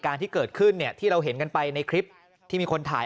การที่เกิดขึ้นเนี่ยที่เราเห็นกันไปในคลิปที่มีคนถ่าย